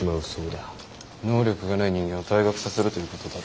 能力がない人間を退学させるということだろ。